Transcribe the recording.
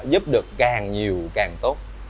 giúp được càng nhiều càng tốt